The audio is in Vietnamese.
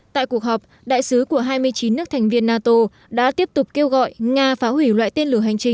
tại cuộc họp đại sứ của hai mươi chín nước thành viên nato đã tiếp tục kêu gọi nga phá hủy loại tên lửa hành trình